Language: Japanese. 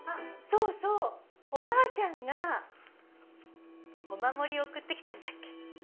そうそうおばあちゃんがお守り送ってきたんだっけ